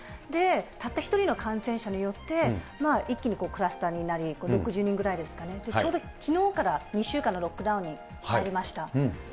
たった１人の感染者によって、一気にクラスターになり、６０人ぐらいですかね、ちょうどきのうから２週間のロックダウンに入りました。